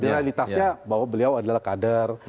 realitasnya bahwa beliau adalah kader